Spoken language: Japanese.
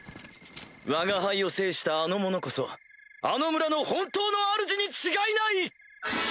わが輩を制したあの者こそあの村の本当のあるじに違いない！